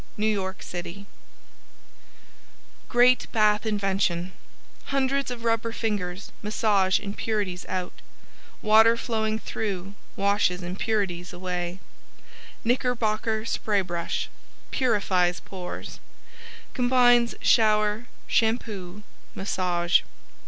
NEW YORK CITY GREAT BATH INVENTION Hundreds of rubber fingers massage impurities out. Water flowing through washes impurities away. Knickerbocker Spraybrush "Purifies Pores" Combines shower shampoo massage.